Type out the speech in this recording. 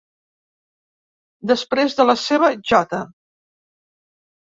Després de la seva J.